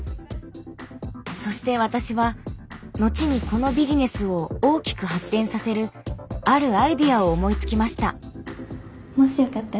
そして私は後にこのビジネスを大きく発展させるあるアイデアを思いつきました。